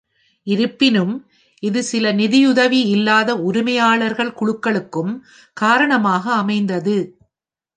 இருப்பினும், இது சில நிதியுதவி இல்லாத உரிமையாளர் குழுக்களுக்கும் காரணமாக அமைந்தது.